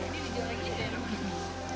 jadi dijual lagi di daerah mana